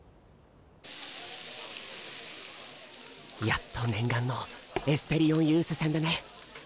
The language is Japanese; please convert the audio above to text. やっと念願のエスペリオンユース戦だね。